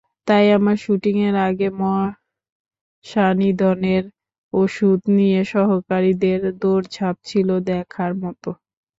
তাই আমার শুটিংয়ের আগে মশকনিধন ওষুধ নিয়ে সহকারীদের দৌড়ঝাঁপ ছিল দেখার মতো।